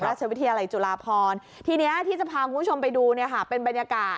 ราชวิทยาลัยจุฬาพรทีนี้ที่จะพาคุณผู้ชมไปดูเนี่ยค่ะเป็นบรรยากาศ